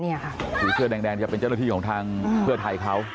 เนี่ยค่ะคลุเตือนแดงก็เป็นเจ้าหน้าที่ของทางเผื่อไทยเขา